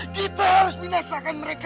kita harus menyesalkan mereka